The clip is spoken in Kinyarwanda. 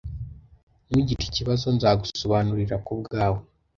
Ntugire ikibazo, nzagusobanurira kubwawe.